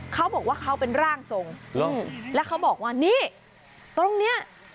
เขาบอกว่าเขาเป็นร่างทรงแล้วเขาบอกว่านี่ตรงเนี้ย